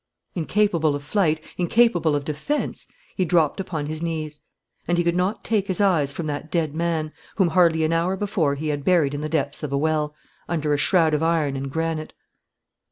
Incapable of flight, incapable of defence, he dropped upon his knees. And he could not take his eyes from that dead man, whom hardly an hour before he had buried in the depths of a well, under a shroud of iron and granite.